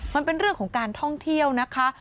มันเป็นเรื่องของการท่องเที่ยวนะคะ